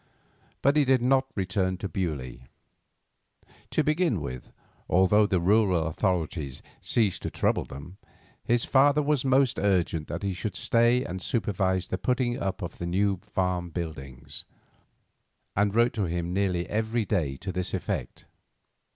But he did not return to Beaulieu. To begin with, although the rural authorities ceased to trouble them, his father was most urgent that he should stay and supervise the putting up of the new farm buildings, and wrote to him nearly every day to this effect.